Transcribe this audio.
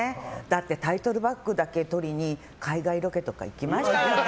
タイトルバックだけ撮りに海外ロケとか行きましたよね。